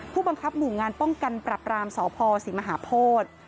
ผู้บังคับหมู่งานป้องกันปรับรามสพศรีมหาโพธิ